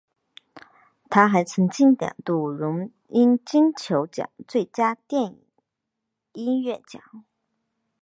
他还曾经两度荣膺金球奖最佳电影音乐奖。